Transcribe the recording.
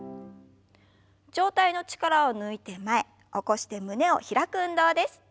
上体の力を抜いて前起こして胸を開く運動です。